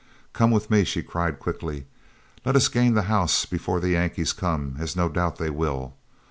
"Come with me," she cried, quickly. "Let us gain the house before the Yankees come, as no doubt they will.